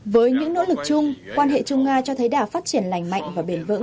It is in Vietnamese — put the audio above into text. với những nỗ lực chung quan hệ trung nga cho thấy đã phát triển lành mạnh và bền vững